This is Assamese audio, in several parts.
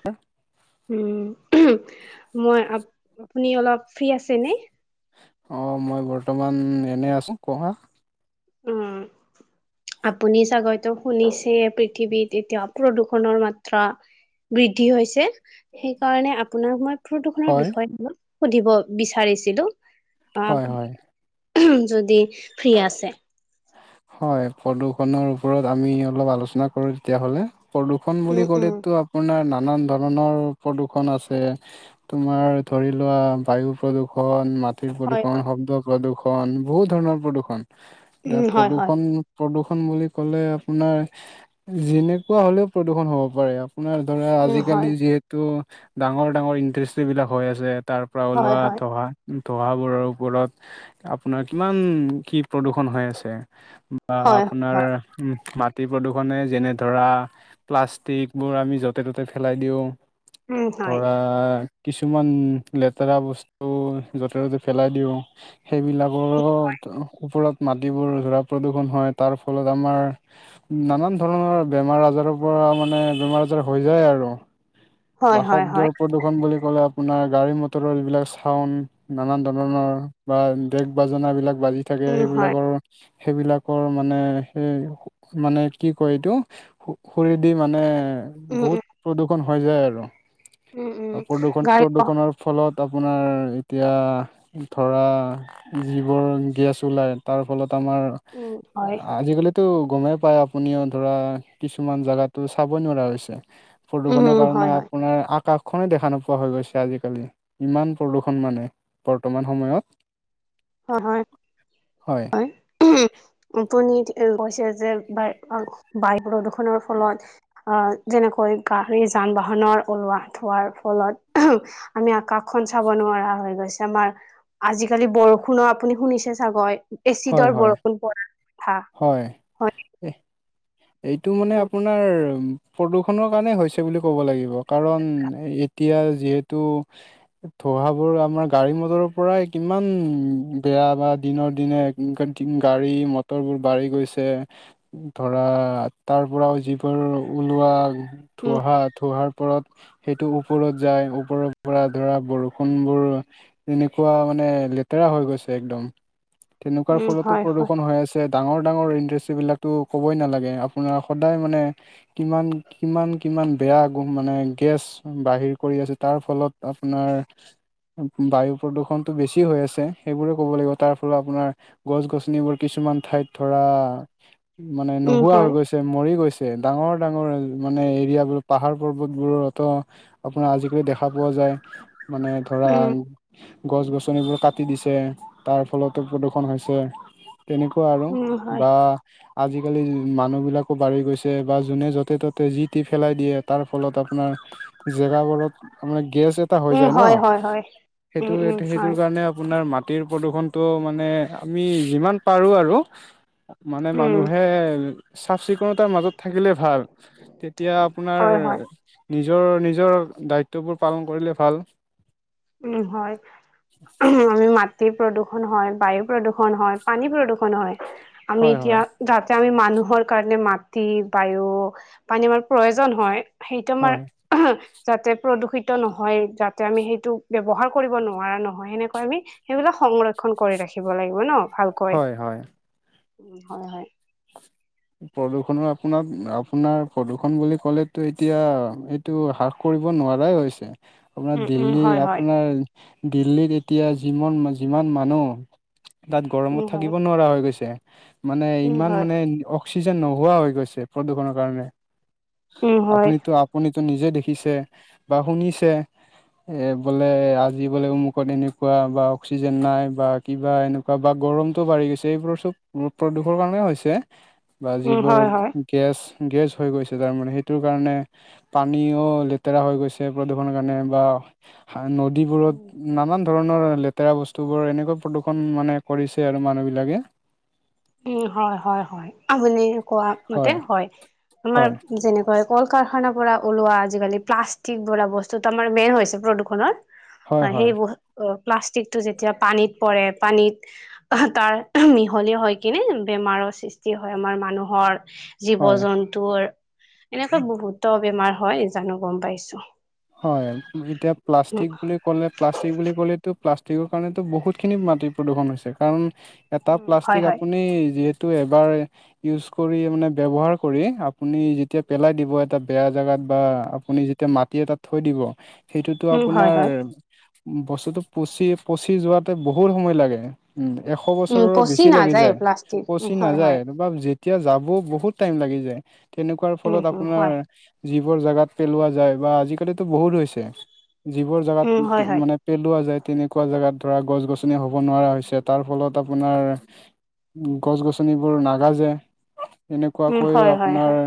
হ [unintelligible] উ মই আপুনি অলপ ফ্ৰী আছে নে? অঁ মই বৰ্তমান এনেই আছোঁ কোৱা। উম। আপুনি চাগৈতো শুনিছে পৃথিৱীত এতিয়া প্ৰদূৰষনৰৰ মাত্ৰা। বৃদ্ধি হৈছে সেইকাৰণে আপোনাৰ মই- দুখনৰ হয়, বিষয়ে মই সুধিব বিচাৰিছিলো। আপ হয় হয়। যদি ফ্ৰী আছে- হয় প্ৰদূৰ্ষনৰৰ ওপৰত আমি অলপ আলোচনা কৰো তেতিয়াহ'লে- প্ৰদূৰ্ষণ বুলি উম, উম, ক'লেতটো আপোনাৰ ন- নানান ধৰণৰ প্ৰদূৰষণ আছে তোমাৰ ধৰি লোৱা বায়ু প্ৰদূৰষণ, হয়, প্ৰদূৰষণ হয়, শব্দ প্ৰদূষণ বহুত ধৰণৰ প্ৰদূৰষণ এতি উম, হয়, হয়, প্ৰদূষণ প্ৰদূ বুলি কলে আপোনাৰ যেনেকুৱা হলেও প্ৰদূষণ হ'ব পাৰে আপোনাৰ ধৰা উম, হয়, আজিকালি যিহেতু ডাঙৰ ডাঙৰ ইণ্ডাষ্ট্ৰিবিলাক হৈ আছে তাৰ পৰা হয়, ওলোৱা হয়, ধহা ধহাবোৰৰ ওপৰত আপোনাৰ কিমান কি প্ৰদূষণ হৈ আছে বা হয়, আপোনাৰ হয়, উ ম খেতি প্ৰদূষণে যেনে ধৰা প্লাষ্টিকবোৰ আমি য'তে ত'তে পেলাই দিওঁ উম, হয়, ধৰা কিছুমান লেতেৰা বস্তু য'তে ত'তে পেলাই দিওঁ সেইবিলাক কওপৰত মাটিবোৰ ধৰা প্ৰদূষণ হয় তাৰ ফলত আমাৰ নানান ধৰণৰ বেমাৰ আজাৰৰ পৰা মানে বেমাৰ আজ [inaudible] হৈ যায় আৰু বা হয়, হয়, শব্দৰ হয়, প্ৰদূষণ বুলি লে আপোনাৰ গাড়ী মটৰৰ যবিলাক চাউড নানান ধৰণৰ বা ডেক বাজনা বিলাক বাজি থাকে উম, হয়, সেইবিলাকৰ সেইবিলাকৰ মানে সেই মানে কি কয় এইটো খুৰেদি মানে উম, উম, বহুত প্ৰদূষণ হৈ যায় আৰু উম, উম, আৰু প্ৰদূৰষণ গাড়ী প্ৰদূৰষণৰ ফলত আপোনাৰ এতিয়া ধৰা যিবোৰ গেছ ওলায় তাৰ ফলত তমাৰ উম, হয়, আজিকালিতো গমেই পায় আপুনিও ধৰা কিছুমান জেগাতটো চাব নোৱাৰা হৈছে প্ৰদূষণৰ উম, হয়, কাৰণে হয়, আপোনাৰ কাষখনেই দেখা নোপোৱা হৈ গৈছে আজিকালি ইমান প্ৰদূষণ মানে বৰ্তমান সময়ত হয় হয় হয় ন কৈছে যে ব বায়ু প্ৰদূৰষণৰ ফলত আহ যেনেক গাড়ী যান বাহনৰ ওলোৱা থোৱাৰ ফলত আমি আকাশখন চাব নোৱাৰা হৈ গৈছে আমাৰ আজিকালি বৰষুণ খুনো আপুনি শুনিছে চাগৈ হয় এচিডৰ হয় বৰষুণ পৰা কথা হয় হয় এ এইটো মানে উম আপোনাৰ প্ৰদূষণৰ কাৰণে হৈছে বুলি ক'ব লাগিব, কাৰণ এতিয়া যিহেতু ধোহাবোৰ আমাৰ গাড়ী মটৰৰ পৰাই কিমান বেয়া বা দিনৰ দিনে [unintelligible] গাড়ী মট টৰবোৰ বাঢ়ি গৈছে, ধৰা তাৰ পৰাও যিবোৰ ওলোৱা উম ধোহা ধোহাৰ ওপৰত সেইটো ওপৰত যায়, ওপৰৰ পৰা ধৰা বৰষুণবোৰ তেনেকুৱা মানে লেতেৰা হৈ গৈছে একদম। তেনেকুৱাৰ উম ফলতো হয় হয় প্ৰদূষণ হৈ আছ ডাঙৰ ডাঙৰ ইণ্ডাষ্টি বিলাকটো ক'বই নালাগে, আপোনাৰ সদায় মানে কিমান কিমান কি ইমান বেয়া গো মানে গেছ বাহিৰ কৰি আছে, তাৰ ফলত আপোনাৰ বায়ু প্ৰদূষণতটো বেছি হৈ আছে সেইবোৰে ক'ব লাগিব, তাৰ ফলত আপোনাৰ গছ গছনিবোৰ কিছুমান ঠাইত ধৰা, মানে উম নোহোৱা হৈ হয় গৈছে মৰি গৈছে। ডাঙৰ ডাঙৰ মানে এৰিয়াবোৰত পাহাৰ পৰ্বতবোৰত আপোনাৰ আজিকালি দেখা পোৱা যায়। মানে ধৰা উম গছ গছনিবোৰ কাটি দিছে, তাৰ ফলতো প্ৰদূষণ হৈছে তেনেকু [unintelligible] উম হয় বা আজিকালি মানুহ বিলাক বাঢ়ি গৈছে বা যোনে য'তে ত'তে যি টি ফেলাই দিয়ে, তাৰ ফলত আপোনাৰ জেগাবোৰত মানে গেছ এটা হৈ উম যায় ন, হয় হয় হয় সেইটো উম উম এটে সেইটো হয় কাৰণে আপোনাৰ মাত টিৰ প্ৰদূষণটো মানে আমি যিমান পাৰোঁ আৰু। মানে উম মানুহে চাফ চিকুণতাৰ মাজত থাকিলে ভাল, তেতিয়া আপোনাৰ হয় হয় নিজৰ নিজৰ দায়িত্ববোৰ পালন কৰিলে ভাল। উম, হয়। মাত টিৰ প্ৰদূষণ হয়, বায়ু প্ৰদূষণ হয়, পানী প্ৰদূষণ হয়। আমি হয় এতিয়া হয় যাতে আমি মা মানুহৰ কাৰণে মাটি, বায়ু, পানী আমাৰ প্ৰয়োজন হয়। সেইটো আমাৰ হয় যাতে প্ৰদূষিত নহয়, যাতে আমি সেইটো ব্যৱহাৰ কৰিব নোৱাৰা নহয় সেনেকৈ আমি সেইবিলাক সংৰক্ষন কৰি ৰাখিব লাগিব ন? ভালকৈ। হয়, হয়। উম, হয় হয়। প্ৰদূষণৰ আপোনাক আপোনাৰ প্ৰদূষণ বুলি ক'লেতো এতিয়া এইটো হ্ৰাস ক কৰিব নোৱাৰাই হৈছে, আপোনাৰ উম, উম, দিল্লী হয়, হয়, আপোনাৰ দিল্লীত এতিয়া যিমান যিমান মানুহ, তাত উম, গৰমত হয়, থাকিব নোৱাৰা হৈ গৈছে। মানে উম, ইমান হয়, মানে অক্সিজেন নোহোৱা হৈ গৈছে প্ৰদূষণৰ কাৰণে। উম, হয়, আপুনিতো আপুনিতো নিজে দেখিছে বা শুনিছে এ বোলে আজি বোলে অমুকত এনেকুৱা বা অক্সিজেন নাই বা কিবা এনেকুৱা বা গৰমটো বাঢ়ি গৈছে এইবোৰৰ চব প্ৰদূষৰ কাৰণে হৈছে, বা উম, যিবোৰ হয়, হয়। গেছ গেছ হৈ গৈছে তাৰমানে সেইটোৰ কাৰণে, পানীও লেতেৰা হৈ গৈছে প্ৰদূষণৰ কাৰণে বা নদীবোৰত উম। নানান ধৰণৰ লেতেৰা বস্তুবোৰ এনেকুৱা প্ৰদূৰ্ষণ মানে কৰিছে আৰু মানুহবিলাকে। উম, হয় হয় হয়, আপুনি কোৱা মতে হয়। আমাৰ হয়, যেনেকৈ কল কাৰখানাৰ পৰা ওলোৱা আজিকালি প্লাষ্টিক বোলা বস্তুতো আমাৰ মেইন হৈছে প্ৰদূষণৰ। হয়, অ', হয়, সেইবো [unintelligible] প্লাষ্টিকটো যেতিয়া পানীত পৰে পানীত তাৰ মিহলি হয় কিনে বেমাৰৰ সৃষ্টি হয় আমাৰ মানুহৰ, জীৱ হয়, জন্তুৰ। এনেকৈ বহুত বেমাৰ হয় জানোঁ গম পাইছোঁ। হয়, যেতিয়া প্লাষ্টিক বুলি ক'লে প্লাষ্টিক বুলি ক'লেতো প্লাষ্টিকৰ কাৰণেতো বহুত খিনি মাটি প্ৰদূষণ হৈছে, কাৰণ এটা উম হয় প্লাষ্টিক হয় আপুনি যিহেত টো এবাৰ ইউজ কৰি মানে ব্যৱহাৰ কৰি, আপুনি যেতিয়া পেলাই দিব এটা বেয়া জেগাত বা আপুনি যেতিয়া মাটি এটাত থৈ দিব, সেইটোতো উম হয় আপোনাৰ হয় বস্তুটো পচি পচি যোৱাতে বহুত সময় লাগে। উম, এশ উম বছৰৰ পচি বেছি লাগি নাযায় যায়, প্লাষ্টিক পচি উম হয় নাযায় হয় তাপা যেত তিয়া যাব বহুত টাইম লাগি যায় তেনেকুৱাৰ ফলত উম উম আপোনাৰ হয় যিবোৰ জোগগাত পেলোৱা যায় বা আজিকালিতো বহুত হৈছে যিবোৰ জোগাত উম হয় হয় মানে পেলোৱা যায় তেনেকুৱা জোগাত ধৰা গছ গছনি হ'ব নোৱাৰা হৈছে তাৰ ফলত আপোনাৰ গছ গছনিবোৰ নাগাজে উম এনেকুৱাকৈ হয় হয় আপোনাৰ হয়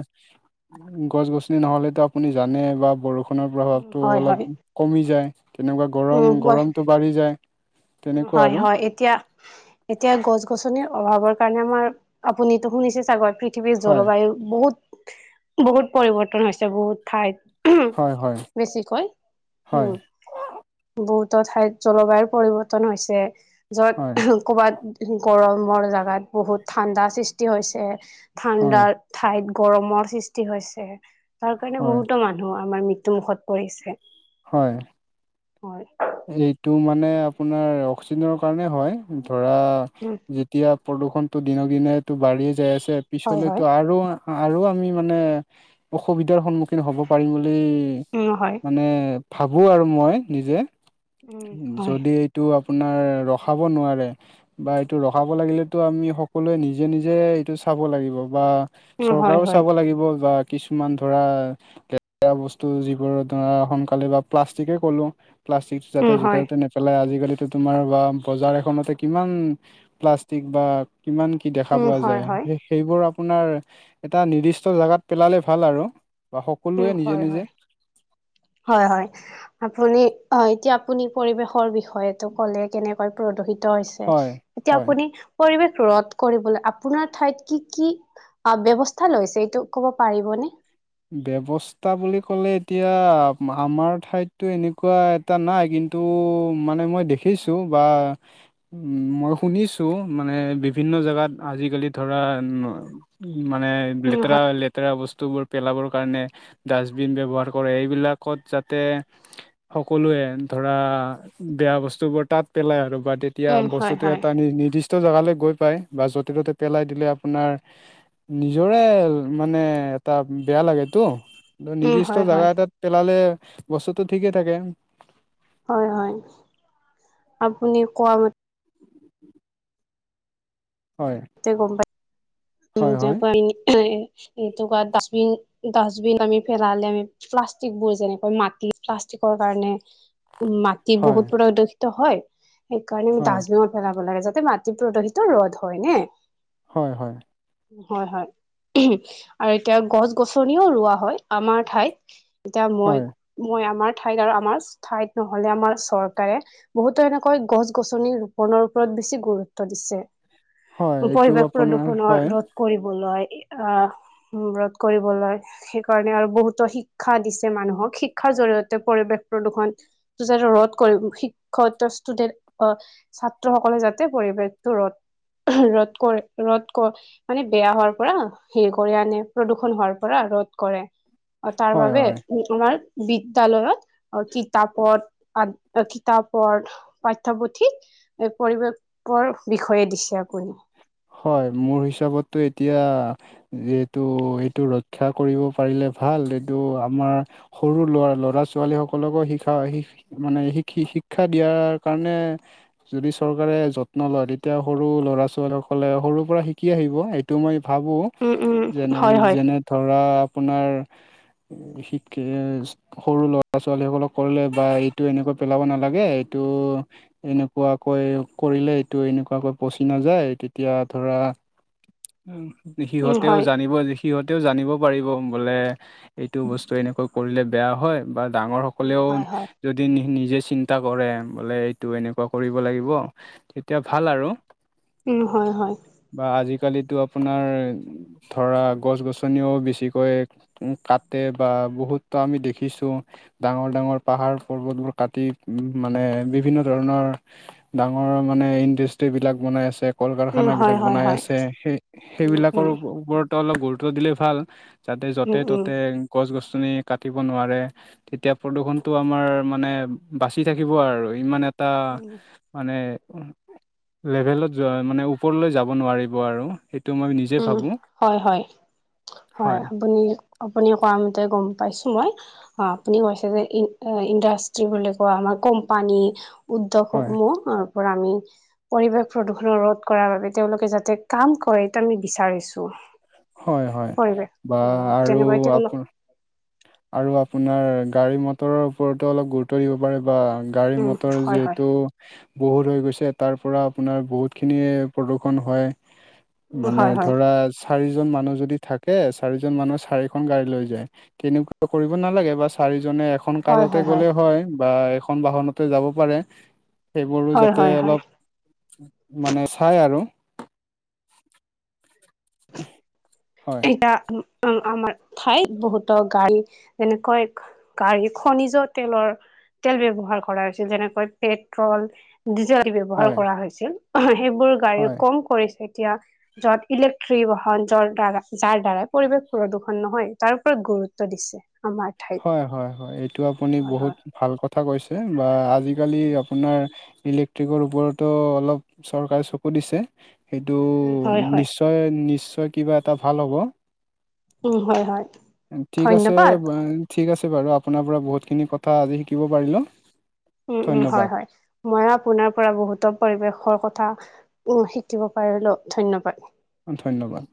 গছ গছনি নহলেতো আপুনি জানে বা বৰষুণ নৰ উম প্ৰভাৱটো হয় অলপ হয় কমি যায় তেনেকুৱা গৰম উম হয় গৰমতটো বাঢ়ি যায় তেনেকুৱা হয় আৰু হয় এতিয়া এতিয়া গছ গছনিৰ অভাৱৰ কাৰণে আমাৰ আপুনিতো শুনিছে চাগৰ পৃথিৱীৰ হয় জলবায়ু বহুত বহুত পৰিৱৰ্তন হৈছে বহুত হয় হয় ঠাইত বেছিকয় হয় উম বহুতো ঠাইত জলবায়ুৰ পৰিৱৰ্তন হৈছে হয় য'ত ক'বাত গৰমৰ জোগাত বহুত ঠাণ্ডা সৃষ্টি হৈছে হয় ঠাণ্ডা ঠাইত গৰমৰ সৃষ্টি হৈছে তাৰ কাৰণে হয় বহুতো মানুহ আমাৰ মৃত্যু মুুখত পৰিছে হয় হয় এইটো মানে আপোনাৰ অক্সিজেনৰ কাৰণে হয় ধৰা উম যেতিয়া প্ৰদূষণটো দিনক দিনেতো বাঢ়িয়ে যায় আছে হয় হয় পিছলৈতো আৰু আৰু আমি মানে অসুবিধাৰ সন্মুখীন হ'ব পাৰিম বুলি বুলি উম হয় মানে ভাবো আৰু মই নিজে উম হয় যদি এইটো আপোনাৰ ৰখাব নোৱাৰে বা এইটো ৰখাব লাগিলেতো আমি সকলোৱে নিজে নিজে এইটো চাব লাগিব বা উম হয় চৰকাৰও হয় চাব লাগিব বা কিছুমান ধৰােৰা বস্তু যিবোৰ ধৰা সোনকালে বা প্লাষ্টিকেই ক'লো প্লাষ্টিক যাতে উম য'তে হয় ত'তে নেপেলাই আজিকালি তোমাৰ বা বজাৰ এখনতে কিমান প্লাষ্টিক বা কিমান কি দেখা উম পোৱা হয় যায় হয় সেইবোৰ আপোনাৰ এটা নিৰ্দিষ্ট জেগাত পেলালে ভাল আৰু বা উ সকলোৱে নিজে হয় নিজে হয় হয় হয় আপুনি অ এতিয়া আপুনি পৰিৱেশৰ বিষয়টো ক'লে কেনেকৈ প্ৰদূষিত হৈছে হয় এতিয়া হয় আপুনি পৰিৱেশ ৰদ কৰিবলৈ আপোনাৰ ঠাইত কি কি ব্য্ৱস্থা লৈছে এইটো ক'ব পাৰিবনে ব্যৱস্থা বুলি ক'লে এতিয়া আমাৰ ঠাইততো এনেকুৱা এটা নাই কিন্তু মে ম দেখিছো বা মই শুনিছো মানে বিভিন্ জে আজিকালি ধৰা মানে উম লেতেৰা হয় লেতেৰা বস্তুবোৰ পেলাবৰ কাৰণে ডাষ্টবিন ব্যৱহাৰ কৰে এইবিলাকত যাতে সকলোৱে ধৰা বেয়া বস্তুবোৰ তাত পেলাই আৰু বা তেতিয়া উম হয় বস্তুটো হয় এটা নি নিৰ্দিষ্ট জেগালৈ গৈ পাই বা য'তে ত'তে পেলাই দিলে আপোনাৰ নিজৰে মানে ত বেয়া লাগেতো উম নিৰ্দিষ্ট হয় হয় জেগা এটাত পেলালে বস্তুটো ঠিকেই থাকে হয় হয় আপুনি কোৱা মতে হয় তে গম পাই উম হয় য হয় প এইটো ডাবিন ডাষ্টবিন আমি ফেৰাালে আমি প্লাষ্টিক বোৰ যেনেকুৱৈ মাটি প্লাষ্টিক কাৰণে উ মাটি হয় বহুত প্ৰদূষিত হয় সেইকাৰণেমি হয় ডাষ্টবিনত পেলাব লাগো মাটি প্ৰদোষিত ৰ'দ হয় নে হয় হয় হয় হয় আৰু এতিয়া গছ গছনিও ৰোৱা হয় আমাৰ ঠাইত এতিয়া মই হয় মই আমাৰ ঠাইত আৰু আমাৰ ঠাইত নহলে আমাৰ চৰকাৰে বহুতো এনেকৈ গছ গছনি ৰোপনৰ ওপৰত বেছি গুৰুত্ব দিছে হয় এইটো পৰিৱেশ আপোনাৰ প্ৰদূষণৰ হয় ৰোধ কৰিবলৈ অ ব্ৰত কৰিবলৈ সেইকাৰণে আৰু বহুতো শিক্ষা দিছে মানুহক শিক্ষাৰ জতে পৰিৱেশ প্ৰদূষণ ৰদ কৰি শিক্ষুডেন্ট ছাত্ৰ সকলে যাতে পৰিৱেশটো ৰদ ৰদ ৰ কৰে ৰ'দ মানে বেয়া হোৱাৰ পৰা হে কৰি আনে প্ৰদূষণ হোৱাৰ পৰা ৰ'দ কৰে অ তাৰ হয় বাবোবে হয় উ আমাৰ বিদ্যালয়ত কিতাপত কিতাপৰ পাঠ্য়পুথিত এই পৰিৱেশৰ বিষয়ে দিছে আপুনি হয় মোৰ হিচাপতো এতিয়া এইটো এইটো ৰক্ষা কৰিব পাৰিলে ভাল এইটো আমাৰ সৰু ল'ৰা ল'ৰা ছোৱালীসকলকো শিকা শ মানে শিকি শিক্ষা দিয়াৰ কাৰণে যদি চৰকাৰে যত্ন লয় তেতিয়া সৰু ল'ৰা ছোৱালীক কলে সৰুৰ পৰা শিকি আহিব এইটো মই ভাবোঁ উম উম যেনে হয় হয় যেনে ধৰা আপোনাৰ [inaudible] শিক সৰু ল'ৰা ছোৱালী সকলক কৰিলে বা এইটো এনেকা পেলাব নালাগে এইটো এনেকুৱাকৈ কৰিলে এইটো এনেকুৱাকৈ পচি নাযায় এতিয়া ধৰা উম সিহঁতেও হয় জানিব সিহঁতেও জানিব পাৰিব বোলে এইটো বস্তু এনেকৈ কৰিলে বেয়া হয় বা ডাঙৰ উম সকলেও হয় হয় যদি নি নিজে চিন্তা কৰে বোলে এইটো এনেকুৱা কৰিব লাগিব তেতিয়া ভাল আৰু উ হয় হয় বা আজিকালিতো আপোনাৰ ধৰা গছ গছনিও বেছিকৈ কাটে বা বহুতো আমি দেখিছো ডাঙৰ ডাঙৰ পাহাৰ পৰ্বতবোৰ কাটি উ মানে বিভিন্ন ধৰণৰ ডাঙৰ মানে ইণ্ডাষ্ট্ৰ্ৰী বিিলাক বনাই আছে ক কল উম হয় কাৰখানাবিলাক হয় বনাই হয় আছে সেই উম সেইবিলাকৰ উম ওপৰত অলপ গুৰুত্ব দিলেই ভাল যাতে য'তে উম উম ততে গছ গছ আনি কাটিব নোৱাৰে তেতিয়া প্ৰদূষণটো আমাৰ মানে বাচি থাকিব আৰু ইমান এটা এটা উম মানে লেভেলৰ মানে ওপৰলৈ যাব নোৱাৰিব আৰু মই নিজে উম ভাবো হয় হয় হয় আপুনি আপুনি ক মতে গম পাইছো মই অ আপুনি কৈছে যে ই ইণ্ডাষ্ট্ৰি বুলি কোৱা আমাৰ কোম্পানী উ্য হয় হুকম আৰু আমি পৰিৱেশ প্ৰদূষণৰ ৰোধ কৰাৰ বাবে তেওঁলোকে যাতে কাম কৰে আমি বিচাৰিছো হয় হয় পৰিৱেশ বা আৰু তেনেকুৱা এতিয়া অল আপ আৰু আপোনাৰ গাড়ী মটৰৰ ওপৰতো অলপ গুৰুত্ব দিব পাৰে বা গাড়ী উম মটৰ হয় হয় যিহেতু বহুত হৈ গৈছে তাৰ পৰা আপোনাৰ বহুতখিনি প্ৰদূষণ হয় উম মানে হয় হয় ধৰা চাৰিজন মানুহ যদি থাকে ে চাৰিজন মানুহ চাৰিখন গাড়ী লৈ যায় তেনেকুৱা কৰিব নালাগে বা চাৰিজন যজনে এখন হয় কাৰতে হয় গ'লে হয় বা এখন বাহনতে যাব পাৰে সেইবোৰো হয় যাতে হয় হয় অলপ মানে চাই আৰু উ এটা উ অ আমাৰ ঠাইত বহুতো গাড়ী যেনেকৈ গাড়ী খনিজ তেলৰ তেল ব্য্ৱহাৰ কৰা হৈছিল যেনেকৈ পেট্ৰল ডিজেল ব্যৱহাৰ হয় কৰা হৈছিল সেইবোৰ গাড়ী হয় কম কৰিছে এতিয়া যত বাহন যৰ দ্বাৰা যাৰ দ্বাৰাই পৰিৱেশ প্ৰদূষণ নহয় তাৰ ওপৰত গুৰুত্ব দিছে আমাৰ ঠাইত হয় হয় হয় এইটো আপুনি হয় বহুত হয় ভাল কথা কৈছে বা আজি আজিকালি আপোনাৰ ইলেক্ট্ৰিকৰ ওপৰতো অলপ চৰকাৰে চকু দিছে সেইটো উম হয় হয় নিশ্চয় নিশ্চয় কিবা এটা ভাল হ'ব উম হয় হয় ঠিক আছে ধন্যবাদ ঠিক আছে বাৰু আপোনাৰ পৰা বহুতখিনি কথা আজি শিকিব পাৰিলো উম উম হয় হয় মই আপোনাৰ পৰা বহুতো পৰিৱেশৰ কথা উ শিকিব পাৰিলো ধন্যবাদ ধন্যবাদ